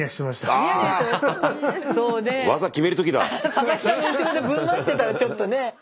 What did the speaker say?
佐々木さんの後ろでぶん回してたらちょっとね。